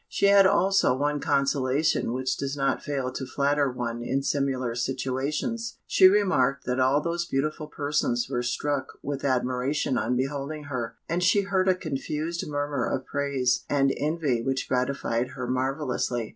She had also one consolation which does not fail to flatter one in similar situations: she remarked that all those beautiful persons were struck with admiration on beholding her, and she heard a confused murmur of praise and envy which gratified her marvellously.